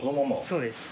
そうです。